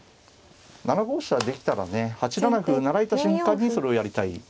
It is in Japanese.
７五飛車できたらね８七歩成られた瞬間にそれをやりたい。